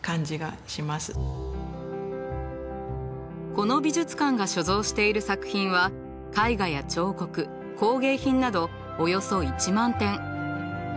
この美術館が所蔵している作品は絵画や彫刻工芸品などおよそ１万点。